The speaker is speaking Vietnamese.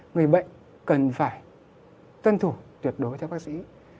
người bệnh cần phải tuân thủ tuyệt đối theo bác sĩ